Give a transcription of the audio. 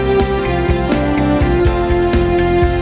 sheenyi saktih aku emang